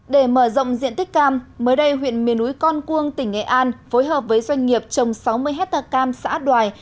để mở rộng diện tích cam mới đây huyện miền núi con cuông tỉnh nghệ an phối hợp với doanh nghiệp trồng sáu mươi hectare cam xã đoài